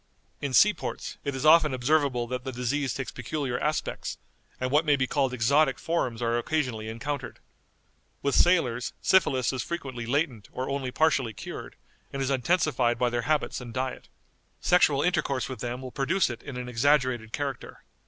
_" "In sea ports it is often observable that the disease takes peculiar aspects, and what may be called exotic forms are occasionally encountered. With sailors, syphilis is frequently latent or only partially cured, and is intensified by their habits and diet. Sexual intercourse with them will produce it in an exaggerated character.